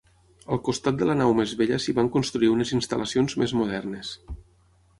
Al costat de la nau més vella s'hi van construir unes instal·lacions més modernes.